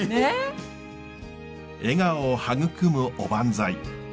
笑顔を育むおばんざい。